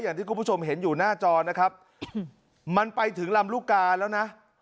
อย่างที่คุณผู้ชมเห็นอยู่หน้าจอนะครับมันไปถึงลำลูกกาแล้วนะ